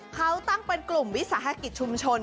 เขาตั้งเป็นกลุ่มวิสาหกิจชุมชน